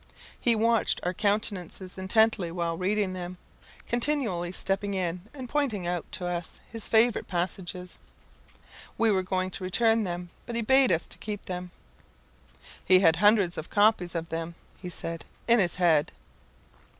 He watched our countenances intently while reading them, continually stepping in, and pointing out to us his favourite passages. We were going to return them, but he bade us keep them. "He had hundreds of copies of them," he said, "in his head."